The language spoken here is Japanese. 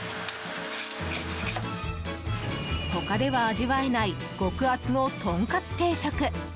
他では味わえない極厚のトンカツ定食！